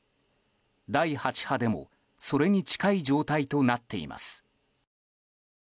第８波でもそれに近い状態となっています。